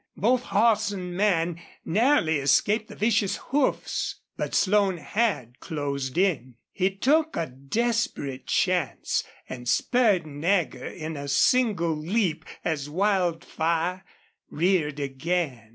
Both horse and man narrowly escaped the vicious hoofs. But Slone had closed in. He took a desperate chance and spurred Nagger in a single leap as Wildfire reared again.